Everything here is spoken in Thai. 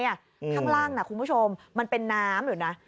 ข้างล่างนะคุณผู้ชมมันเป็นน้ำอยู่นะ